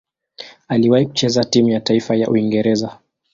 Aliwahi kucheza timu ya taifa ya Uingereza.